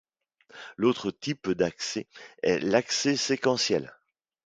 L’autre type d’accès est l’accès séquentiel.